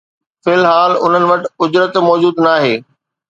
في الحال انهن وٽ اجرت موجود ناهي